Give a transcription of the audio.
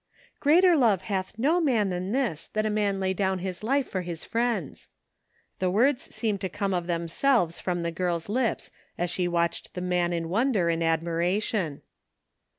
" Greater love hath no man than this, that a man lay down his life for his friends." The words seemed 13 193 THE FINDING OF JASPER HOLT to come of themselves from the girl's lips as she watched the man in wonder and admiration.